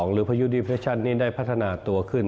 หรือพายุดิเรชั่นนี้ได้พัฒนาตัวขึ้น